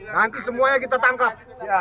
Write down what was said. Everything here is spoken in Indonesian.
nanti semuanya kita tangkap